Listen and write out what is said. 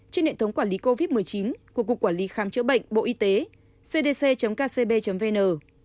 trên hệ thống quản lý covid một mươi chín của cục quản lý khám chữa bệnh bộ y tế cdc kcb vn